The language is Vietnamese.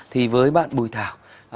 thì với bạn bùi thái